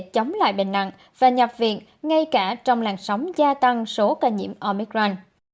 chống lại bệnh nặng và nhập viện ngay cả trong làn sóng gia tăng số ca nhiễm omicran